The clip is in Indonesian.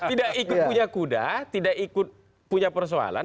tidak ikut punya kuda tidak ikut punya persoalan